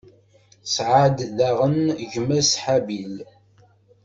Tesɛa-d daɣen gma-s, Habil.